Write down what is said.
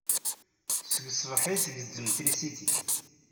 Seg ṣṣbaḥ ay tegzem trisiti.